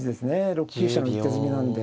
６九飛車の一手詰みなんで。